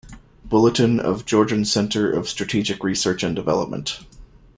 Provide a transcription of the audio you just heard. Bulletin of Georgian Centre of Strategic Research and Development.